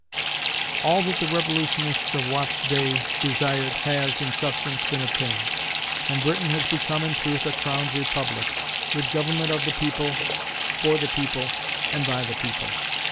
All that the revolutionists of Watt's day desired has, in substance, been obtained, and Britain has become in truth a "crowned republic," with "government of the people, for the people, and by the people."